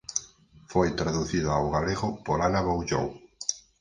Foi traducida ao galego por Ana Boullón.